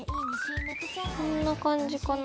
こんな感じかな。